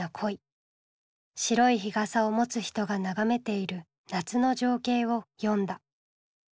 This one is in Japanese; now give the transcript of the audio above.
白い日傘を持つ人が眺めている夏の情景を詠んだ。